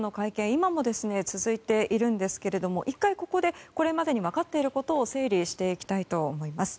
今も続いているんですけれども１回、ここでこれまでに分かっていることを整理していきたいと思います。